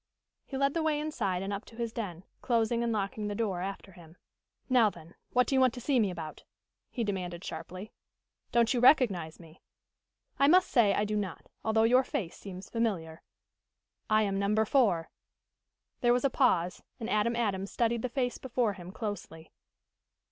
He led the way inside and up to his den, closing and locking the door after him. "Now, then, what do you want to see me about?" he demanded sharply. "Don't you recognize me?" "I must say I do not, although your face seems familiar." "I am Number Four." There was a pause, and Adam Adams studied the face before him closely.